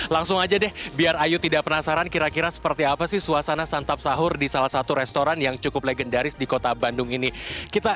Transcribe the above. langsung aja deh biar ayu tidak penasaran kira kira seperti apa sih suasana santap sahur di salah satu restoran yang cukup legendaris di kota bandung ini